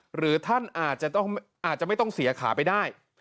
หรือท่านอาจจะไม่ต้องเสียขาไปได้